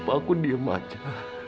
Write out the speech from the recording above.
pak aku diam aja